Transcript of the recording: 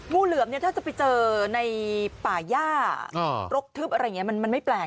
งูเหลือมเนี่ยถ้าจะไปเจอในป่าย่ารกทึบอะไรอย่างนี้มันไม่แปลก